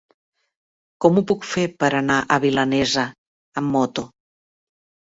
Com ho puc fer per anar a Vinalesa amb moto?